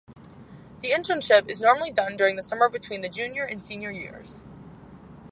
The internship is normally done during the summer between the junior and senior years.